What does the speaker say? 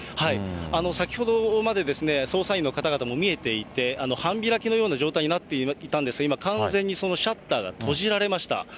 先ほどまでですね、捜査員の方々も見えていて、半開きのような状態になっていたんですが、今、完全にそのシャッターが閉じられました。